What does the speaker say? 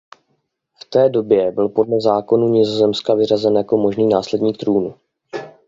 V té době byl podle zákonu Nizozemska vyřazen jako možný následník trůnu.